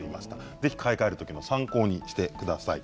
ぜひ買い替える時の参考にしてください。